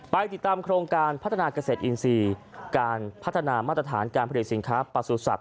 ไปติดตามโครงการพัฒนาเกษตรอินทรีย์การพัฒนามาตรฐานการผลิตสินค้าประสุทธิ